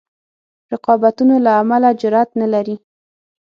رقابتونو له امله جرأت نه لري.